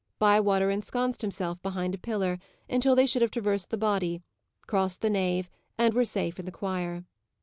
Bywater ensconced himself behind a pillar, until they should have traversed the body, crossed the nave, and were safe in the choir.